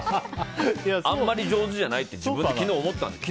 あんまり上手じゃないって自分で昨日、思ったんです。